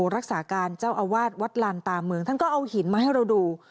รักษาการเจ้าอาวาสวัดลานตาเมืองท่านก็เอาหินมาให้เราดู